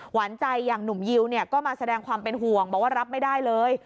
หวานใจอย่างหนุ่มยิวเนี่ยก็มาแสดงความเป็นห่วงบอกว่ารับไม่ได้เลย